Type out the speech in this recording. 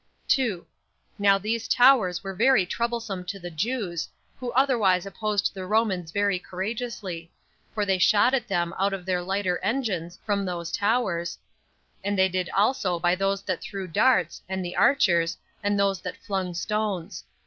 2. Now these towers were very troublesome to the Jews, who otherwise opposed the Romans very courageously; for they shot at them out of their lighter engines from those towers, as they did also by those that threw darts, and the archers, and those that flung stones.